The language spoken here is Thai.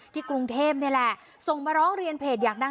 กรุงเทพนี่แหละส่งมาร้องเรียนเพจอยากดัง